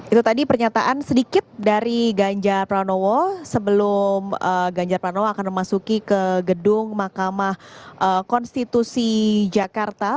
itu tadi pernyataan sedikit dari ganjar pranowo sebelum ganjar pranowo akan memasuki ke gedung mahkamah konstitusi jakarta